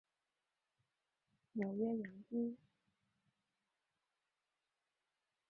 纽约洋基